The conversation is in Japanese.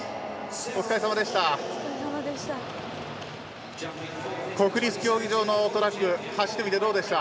お疲れさまでした。